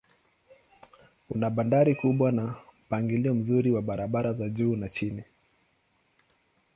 Una bandari kubwa na mpangilio mzuri wa barabara za juu na chini.